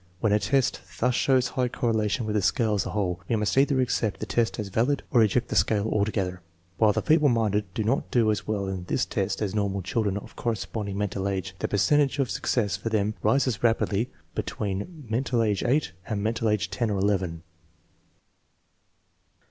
When a test thus shows high correlation with the scale as a whole, we must either accept the test as valid or reject the scale altogether. While the feeble minded do not do as well in this test as normal chil dren of corresponding mental age, the percentage of suc cesses for them rises rapidly between mental age 8 and mental age 10 or 11.